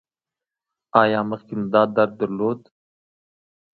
ایا مخکې مو دا درد درلود؟